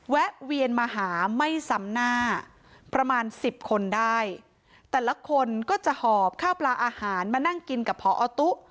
แวะเวียนมาหาไม่ซ้ำหน้าประมาณสิบคนได้แต่ละคนก็จะหอบข้าวปลาอาหารมานั่งกินกับพอตุ๊